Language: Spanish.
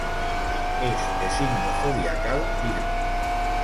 Es de signo zodiacal Virgo.